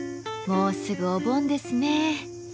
もうすぐお盆ですね。